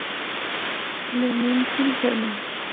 Le Mesnil-Herman